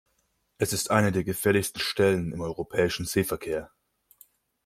Es ist eine der gefährlichsten Stellen im europäischen Seeverkehr.